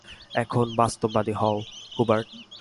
এখন, বাস্তববাদী হও, হুবার্ট।